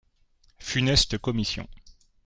Funeste commission